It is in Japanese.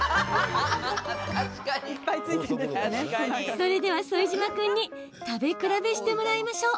それでは、副島君に食べ比べしてもらいましょう。